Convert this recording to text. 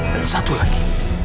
dan satu lagi